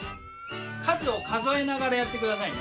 数を数えながらやって下さいね。